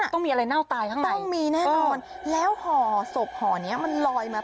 ต้องมีอะไรเน่าตายข้างในต้องมีแน่นอนแล้วห่อศพห่อนี้มันลอยมา